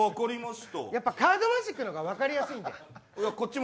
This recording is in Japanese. カードマジックの方が分かりやすいんで。